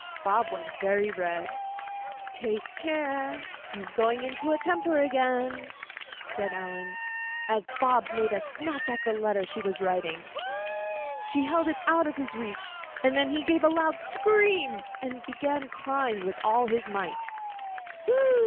Bob went very red. 'Take care; he's going into a temper again,' said Ellen, as Bob made a snatch at the letter she was writing. She held it out of his reach, and then he gave a loud scream and began crying with all his might.